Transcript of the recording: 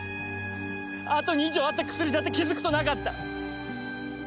あと２錠あった薬だって気付くとなかった。